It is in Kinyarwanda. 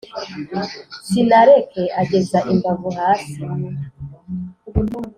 Sinareke ageza imbavu hasi,